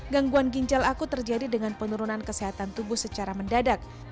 gangguan ginjal akut terjadi dengan penurunan kesehatan tubuh secara mendadak